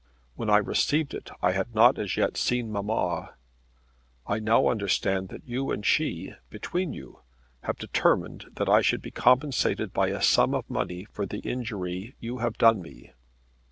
When I received it I had not as yet seen mamma. I now understand that you and she between you have determined that I should be compensated by a sum of money for the injury you have done me!